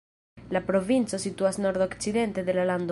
La provinco situas nordokcidente de la lando.